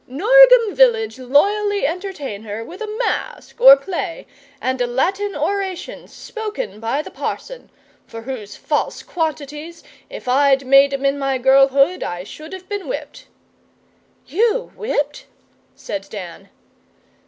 'Norgem village loyally entertains her with a masque or play, and a Latin oration spoken by the parson, for whose false quantities, if I'd made 'em in my girlhood, I should have been whipped.' 'You whipped?' said Dan.